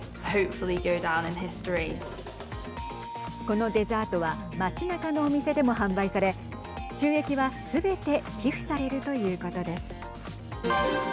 このデザートは街なかのお店でも販売され収益は、すべて寄付されるということです。